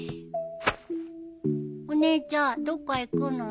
お姉ちゃんどっか行くの？